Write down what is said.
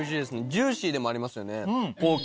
ジューシーでもありますよね。